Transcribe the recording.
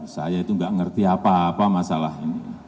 saya itu nggak ngerti apa apa masalah ini